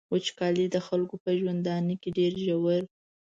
وچکالي د خلکو په ژوندانه کي ډیر ژور.